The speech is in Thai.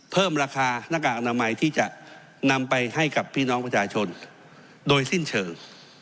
เพิ่มราคาหน้ากากอนามัยที่จะนำไปให้กับพี่น้องประชาชนโดยสิ้นเชิง